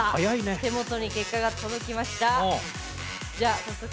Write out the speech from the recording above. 手元に結果が届きました。